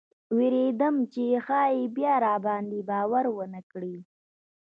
ویرېدم چې ښایي بیا راباندې باور ونه کړي.